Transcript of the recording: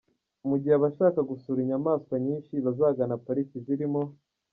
Mu gihe abashaka gusura inyamaswa nyinshi bazagana pariki zirimo.